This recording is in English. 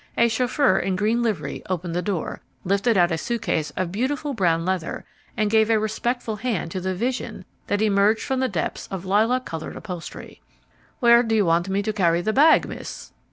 A chauffeur in green livery opened the door, lifted out a suitcase of beautiful brown leather, and gave a respectful hand to the vision that emerged from depths of lilac coloured upholstery. "Where do you want me to carry the bag, miss?"